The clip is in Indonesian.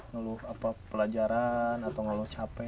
ngeluh pelajaran atau ngeluh capek